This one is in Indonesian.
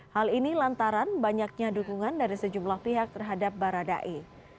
hal ini lantaran banyaknya dukungan dari sejumlah pihak terhadap baradae